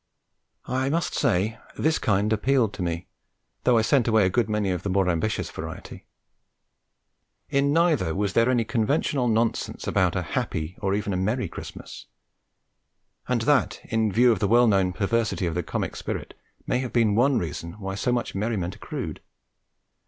I must say this kind appealed to me, though I sent away a good many of the more ambitious variety. In neither was there any conventional nonsense about a 'happy' or even a 'merry' Christmas; and that, in view of the well known perversity of the Comic Spirit, may have been one reason why so much merriment accrued.